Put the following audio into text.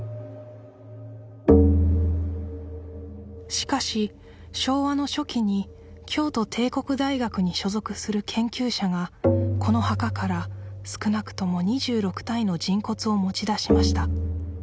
しかし昭和の初期に京都帝国大学に所属する研究者がこの墓から少なくとも２６体の人骨を持ち出しました